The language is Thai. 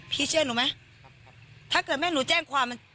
พี่เชื่อหนูไหมครับครับถ้าเกิดแม่หนูแจ้งความ